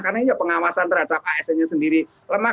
karena ya pengawasan terhadap asn nya sendiri lemah